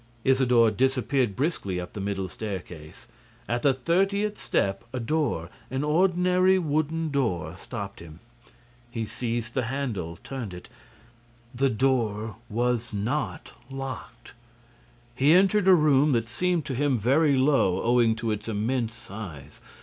Isidore disappeared briskly up the middle staircase. At the thirtieth step, a door, an ordinary wooden door, stopped him. He seized the handle turned it. The door was not locked. He entered a room that seemed to him very low owing to its immense size.